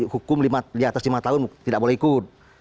hukum di atas lima tahun tidak boleh ikut